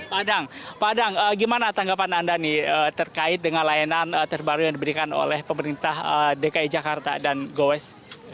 pak adang pak adang gimana tanggapan anda nih terkait dengan layanan terbaru yang diberikan oleh pemerintah dki jakarta dan gowes